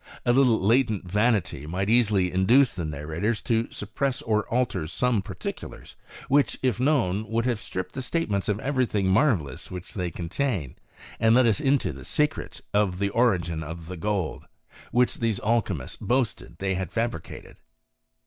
A little latent vanity might easily induce the narrators to suppress or alter some particulars, which, if known, would have stripped the statements of every tiling mar vellous which they contain, and let us into the secret of the origin of the gold, which these alchymists boasted that they had fabricated.